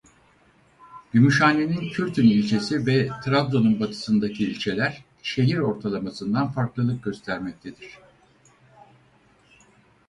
Gümüşhane'nin Kürtün ilçesi ve Trabzon'un batısındaki ilçeler şehir ortalamasından farklılık göstermektedir.